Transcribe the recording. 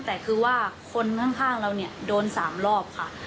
แต่คือว่าคนข้างเราเนี่ยโดน๓รอบค่ะ